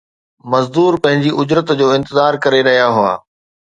مزدور پنهنجي اجرت جو انتظار ڪري رهيا هئا